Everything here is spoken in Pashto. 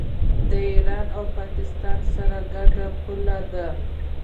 د ایران او پاکستان سره ګډه پوله ده.